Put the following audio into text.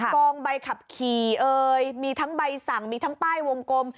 กองใบขับขี่เอ่ยมีทั้งใบสั่งมีทั้งป้ายวงกลม